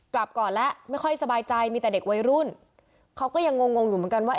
กลับก่อนแล้วไม่ค่อยสบายใจมีแต่เด็กวัยรุ่นเขาก็ยังงงงอยู่เหมือนกันว่า